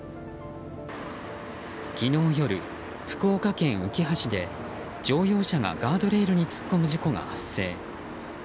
昨日夜、福岡県うきは市で乗用車がガードレールに突っ込む事故が発生。